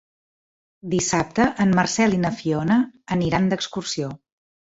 Dissabte en Marcel i na Fiona aniran d'excursió.